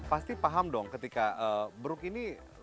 pasti paham dong ketika buruk ini